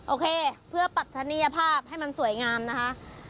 โอเคเพื่อปรัฐนียภาพให้มันสวยงามนะคะ